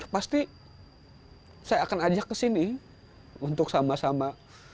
pasti saya akan ajak ke sini untuk sama sama